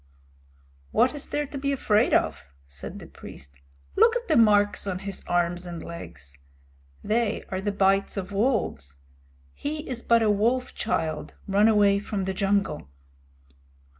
"What is there to be afraid of?" said the priest. "Look at the marks on his arms and legs. They are the bites of wolves. He is but a wolf child run away from the jungle."